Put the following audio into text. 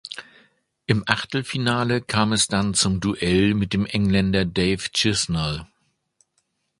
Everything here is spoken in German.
Im Achtelfinale kam es dann zum Duell mit dem Engländer Dave Chisnall.